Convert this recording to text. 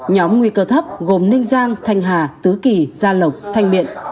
nhóm nguy cơ thấp gồm ninh giang thanh hà tứ kỳ gia lộc thanh miện